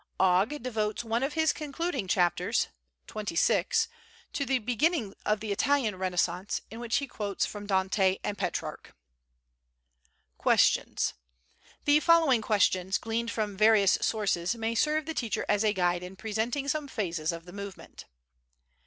Ogg devotes one of his concluding chapters (xxvi) to the "Beginnings of the Italian Renaissance," in which he quotes from Dante and Petrarch. Questions. The following questions, gleaned from various sources, may serve the teacher as a guide in presenting some phases of the movement.